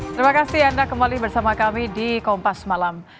terima kasih anda kembali bersama kami di kompas malam